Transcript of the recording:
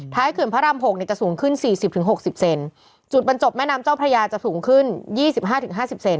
ท้ายเขื่อนพระรามโพกเนี่ยจะสูงขึ้น๔๐๖๐เซนจุดบันจบแม่น้ำเจ้าพระยาจะสูงขึ้น๒๕๕๐เซน